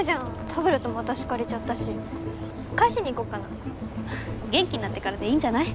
タブレットも私借りちゃったし返しに行こっかな元気になってからでいいんじゃない？